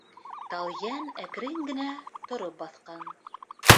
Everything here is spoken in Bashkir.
Талйән әкрен генә тороп баҫҡан.